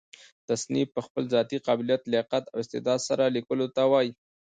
تصنیف په خپل ذاتي قابلیت، لیاقت او استعداد سره؛ ليکلو ته وايي.